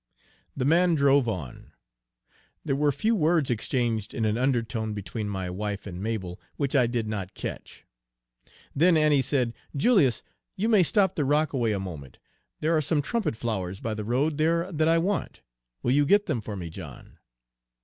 The man drove on. There were few words exchanged in an undertone between my wife and Mabel, which I did not catch. Then Annie said: "Julius, you may stop the rockaway a moment. There are some trumpet flowers by the road there that I want. Will you get them for me, John?"